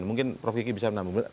mungkin prof kiki bisa menambah